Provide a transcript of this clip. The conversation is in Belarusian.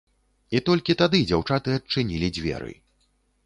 І толькі тады дзяўчаты адчынілі дзверы.